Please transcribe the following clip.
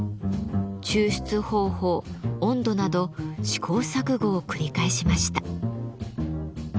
抽出方法温度など試行錯誤を繰り返しました。